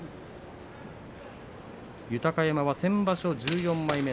豊山は先場所１４枚目。